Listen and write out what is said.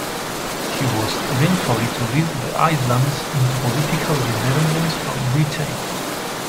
He was eventually to lead the islands into political independence from Britain.